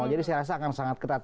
jadi saya rasa akan sangat ketat